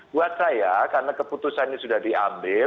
buat saya karena keputusan ini sudah diambil